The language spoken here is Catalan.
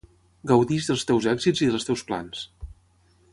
Gaudeix dels teus èxits i dels teus plans.